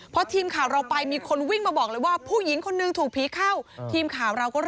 พอทีมข่าวเราไปมีคนวิ่งมาบอกเลยว่า